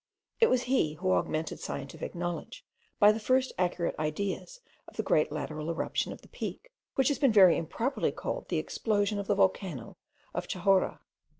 It was he who augmented scientific knowledge by the first accurate ideas of the great lateral eruption of the Peak, which has been very improperly called the explosion of the volcano of Chahorra.